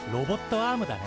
アームだね。